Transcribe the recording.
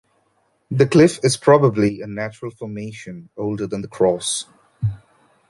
The cliff is probably a natural formation, older than the cross.